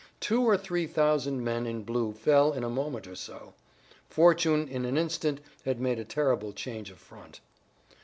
Two or three thousand men in blue fell in a moment or so. Fortune in an instant had made a terrible change of front.